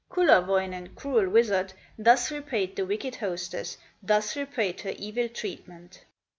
Kullerwoinen, cruel wizard, Thus repaid the wicked hostess, Thus repaid her evil treatment.